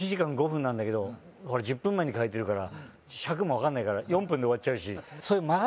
５分なんだけど１０分前に変えてるから尺も分かんないから４分で終わっちゃうし何？